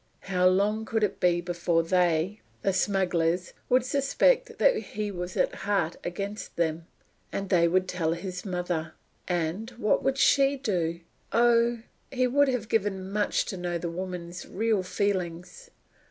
How long could it be before they the smugglers would suspect that he was at heart against them? And they would tell his mother. And what would she do? Oh, he would have given much to know the woman's real feelings.